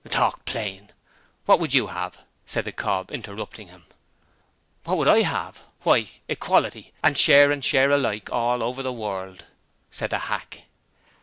'Talk plain. What would you have?' said the cob, interrupting him. 'What would I have? Why, equality, and share and share alike all over the world,' said the hack.